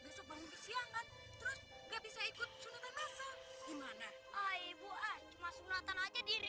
sayang besok pagi kan kamu mau ikut sunatan masal